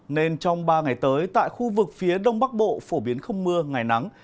nên trong ba ngày tới tại khu vực phía đông bắc bộ phổ biến không mưa ngày nắng